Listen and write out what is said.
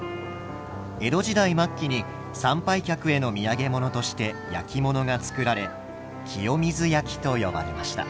江戸時代末期に参拝客への土産物として焼き物が作られ清水焼と呼ばれました。